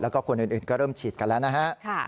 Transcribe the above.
แล้วก็คนอื่นก็เริ่มฉีดกันแล้วนะฮะ